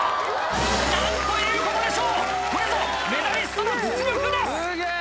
なんということでしょう、これぞ、メダリストの実力です。